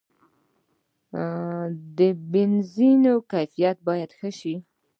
د بنزین کیفیت باید ښه شي.